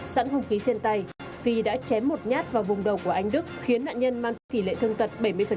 sẵn hùng khí trên tay phi đã chém một nhát vào vùng đầu của anh đức khiến nạn nhân mang tới tỷ lệ thương tật bảy mươi